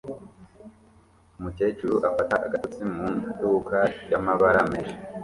Umukecuru afata agatotsi mu iduka ryamabara menshi